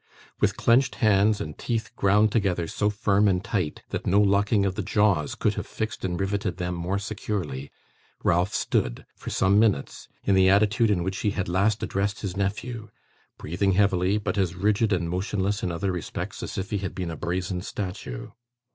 With clenched hands, and teeth ground together so firm and tight that no locking of the jaws could have fixed and riveted them more securely, Ralph stood, for some minutes, in the attitude in which he had last addressed his nephew: breathing heavily, but as rigid and motionless in other respects as if he had been a brazen statue.